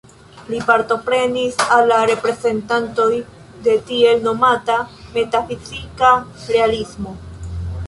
Li apartenis al la reprezentantoj de la tiel nomata "metafizika realismo".